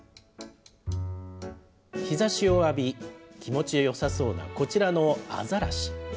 日ざしを浴び、気持ちよさそうなこちらのアザラシ。